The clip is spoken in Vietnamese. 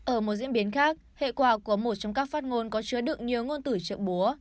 ở một diễn biến khác hệ quả của một trong các phát ngôn có chứa đựng nhiều ngôn tử trợ búa